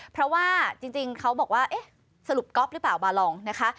เพราะว่าจริงเขาบอกว่าเอ๊ะสรุปก๊อฟหรือเปล่าบาลองนะคะ